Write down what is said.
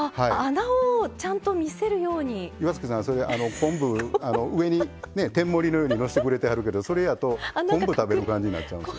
岩槻さんは昆布上に天盛りのようにのせてくれてはるけどそれやと昆布食べる感じになっちゃうんです。